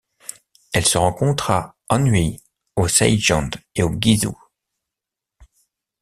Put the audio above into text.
Elle se rencontre au Anhui, au Zhejiang et au Guizhou.